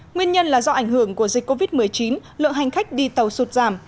nguyên nhân là do ảnh hưởng của dịch covid một mươi chín lượng hành khách đi tàu sụt giảm